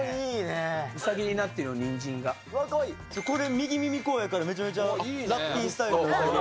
右耳、こうやからめちゃめちゃラッピースタイル。